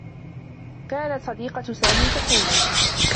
كانت صديقة سامي تخونه.